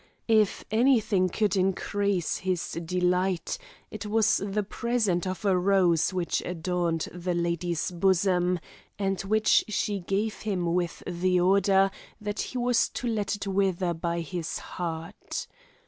If any thing could increase his delight, it was the present of a rose which adorned the lady's bosom, and which she gave him with the order that he was to let it wither by his heart.